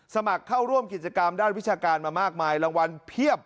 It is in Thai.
สมัครเข้าร่วมกิจกรรมด้านวิชาการมามากมายรางวัลเพียบ